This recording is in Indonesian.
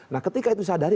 nah ketika itu sadari